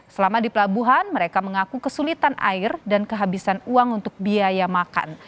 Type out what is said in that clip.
selama di pelabuhan mereka mengaku kesulitan air dan kehabisan uang untuk biaya makan